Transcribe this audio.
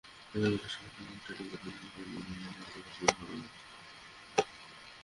এই কিশোর ছেলেদেরকে ট্যাটু করিয়ে দিয়ে তাদের দিয়ে নিজের নোংরা কাজগুলো করানো।